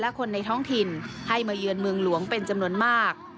และคนในท้องถิ่นให้มาเยือนเมืองหลวงเป็นจำนวนมาก